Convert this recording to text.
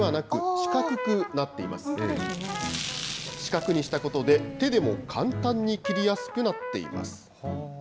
四角にしたことで、手でも簡単に切りやすくなっています。